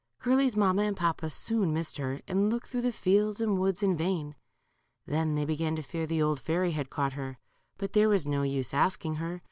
Curly's mamma and papa soon missed her, and looked through the fields and woods in vain. Then they began to fear the old fairy had caught her, but there was no use asking her.